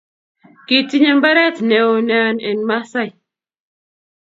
Kiti nywe imbaret newon nea en maasai